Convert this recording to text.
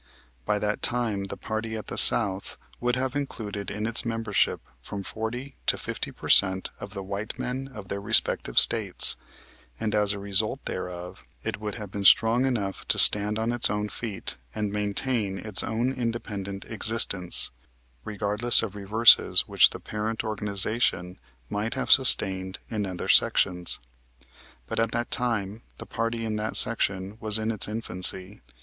By that time the party at the South would have included in its membership from forty to fifty per cent of the white men of their respective States and as a result thereof it would have been strong enough to stand on its own feet and maintain its own independent existence, regardless of reverses which the parent organization might have sustained in other sections. But at that time the party in that section was in its infancy.